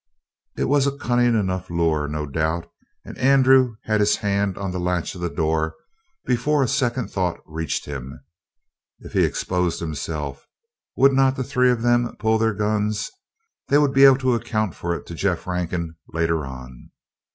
It was a cunning enough lure, no doubt, and Andrew had his hand on the latch of the door before a second thought reached him. If he exposed himself, would not the three of them pull their guns? They would be able to account for it to Jeff Rankin later on.